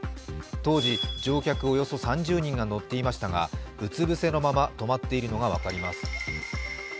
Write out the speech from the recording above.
当時、乗客およそ３０人が乗っていましたが、うつ伏せのまま止まっているのが分かります。